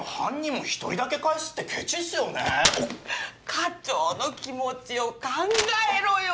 課長の気持ちを考えろよ！